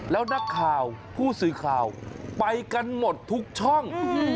แล้วนักข่าวผู้สื่อข่าวไปกันหมดทุกช่อง